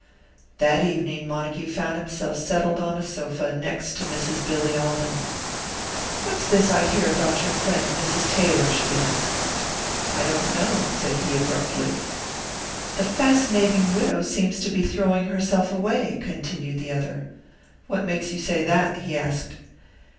That evening Montague found himself settled on a sofa next to Mrs. Billy Alden. "What's this I hear about your friend, Mrs. Taylor?" she asked. "I don't know," said he, abruptly. "The fascinating widow seems to be throwing herself away," continued the other. "What makes you say that?" he asked.